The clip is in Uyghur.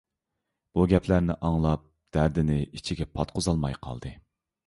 بۇ گەپلەرنى ئاڭلاپ، دەردىنى ئىچىگە پاتقۇزالماي قالدى.